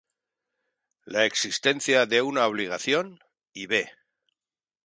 La existencia de una obligación, y b.